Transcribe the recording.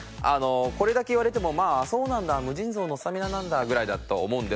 これだけ言われてもまあ「そうなんだ」「無尽蔵のスタミナなんだ」ぐらいだと思うんですけれども。